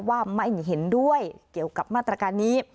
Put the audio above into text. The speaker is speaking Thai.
ว่าไม่เห็นด้วยเกี่ยวกับมาตรการนี้